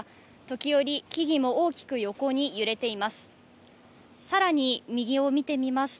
時折、木々も大きく横に揺れています。